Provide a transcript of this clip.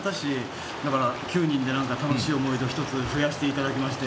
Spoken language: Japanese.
だから９人で楽しい思い出を１つ増やしていただきまして